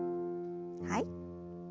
はい。